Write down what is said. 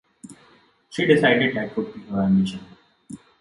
She decided that would be her ambition.